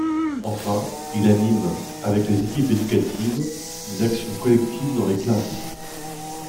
Enfin, il anime, avec les équipes éducatives, des actions collectives dans les classes.